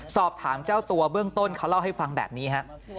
สอบถามเจ้าตัวเบื้องต้นเขาเล่าให้ฟังแบบนี้ฮะ